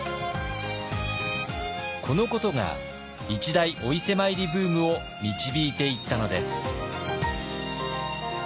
このことが一大お伊勢参りブームを導いていったのです。